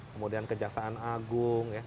kemudian kejaksaan agung